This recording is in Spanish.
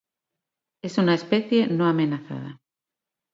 Es una especie no amenazada.